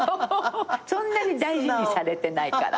そんなに大事にされてないから。